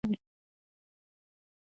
که دلته وای هېڅکله به زنداني شوی نه وای.